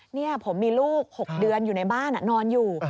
นี่ผมมีลูก๖เดือนอยู่ในบ้านนอนอยู่